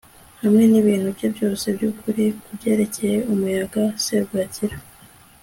hamwe nibintu bye byose-byukuri kubyerekeye umuyaga-serwakira